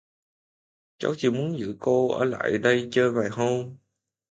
Cháu chỉ muốn giữ cô ở lại đây chơi vài hôm